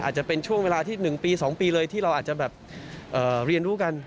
อาจจะเป็นช่วงเวลาที่๑ปี๒ปีเลยที่เราอาจจะแบบเรียนรู้กัน